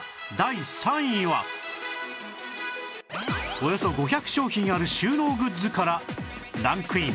およそ５００商品ある収納グッズからランクイン